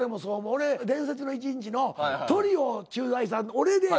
俺「伝説の一日」のトリを駐在さん俺で。